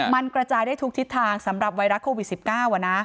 มันกระจายได้ทุกทิศทางสำหรับไวรัสโควิด๑๙